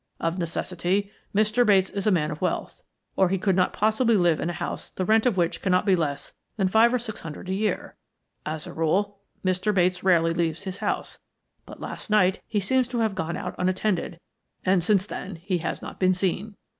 Of necessity, Mr. Bates is a man of wealth, or he could not possibly live in a house the rent of which cannot be less than five or six hundred a year. As a rule, Mr. Bates rarely leaves his house, but last night he seems to have gone out unattended, and since then, he has not been seen."